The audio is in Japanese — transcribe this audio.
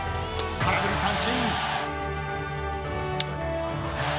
空振り三振！